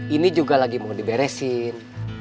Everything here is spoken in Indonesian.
ini juga lagi mau diberesin